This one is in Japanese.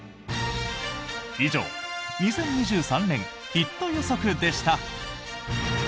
以上２０２３年ヒット予測でした！